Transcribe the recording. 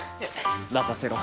まかせろ！